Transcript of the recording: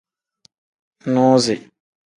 Nuzi.